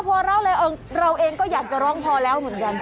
พอเล่าเลยเราเองก็อยากจะร้องพอแล้วเหมือนกัน